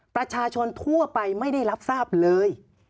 ประชาชนทั่วไปไม่ได้รับทราบเลย